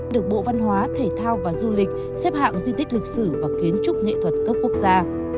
được bộ văn hóa thể thao và du lịch xếp hạng di tích lịch sử và kiến trúc nghệ thuật cấp quốc gia